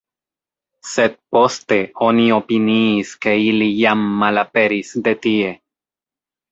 Sed poste oni opiniis ke ili jam malaperis de tie.